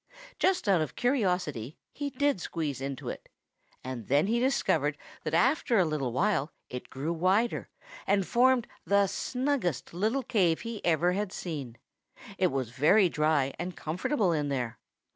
Just out of curiosity he did squeeze into it, and then he discovered that after a little it grew wider and formed the snuggest little cave he ever had seen. It was very dry and comfortable in there.